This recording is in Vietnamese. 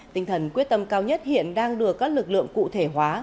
tinh thần quyết tâm cao nhất hiện đang đưa các lực lượng cụ thể hóa